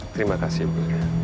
terima kasih bu hilda